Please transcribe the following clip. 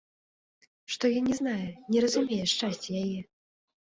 Што ён не знае, не разумее шчасця яе?